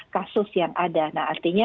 kasus yang ada nah artinya